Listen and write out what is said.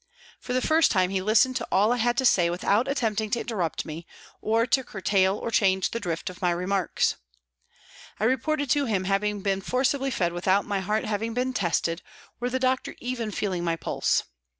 For the first time he listened to all I had to say without attempting to interrupt me, or to curtail or change the drift of my remarks. I reported to him having been forcibly fed without my heart having been WALTON GAOL, LIVERPOOL 289 tested or the doctor even feeling my pulse.